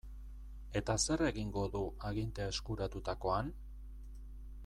Eta zer egingo du agintea eskuratutakoan?